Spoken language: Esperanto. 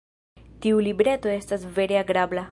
Tiu libreto estas vere agrabla.